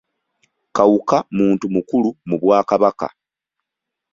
Kawuka muntu mukulu mu Bwakabaka.